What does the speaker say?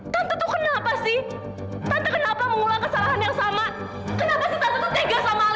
tante tuh kenapa sih tante kenapa mengulang kesalahan yang sama kenapa sih tante tuh tegas sama alena